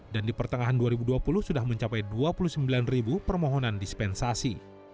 dan di pertengahan dua ribu dua puluh sudah mencapai dua puluh sembilan ribu permohonan dispensasi